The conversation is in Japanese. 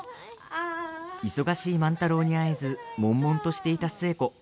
忙しい万太郎に会えずもんもんとしていた寿恵子。